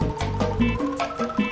amr mampus ganteng